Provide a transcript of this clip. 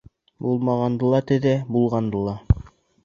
Булмағанды ла теҙә, булғанды ла.